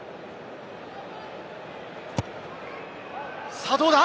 さぁ、どうだ？